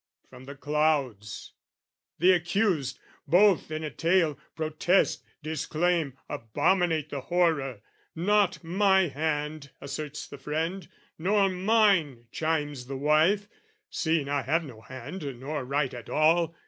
from the clouds "The accused, both in a tale, protest, disclaim, "Abominate the horror: 'Not my hand' "Asserts the friend 'Nor mine' chimes in the wife, "'Seeing I have no hand, nor write at all.'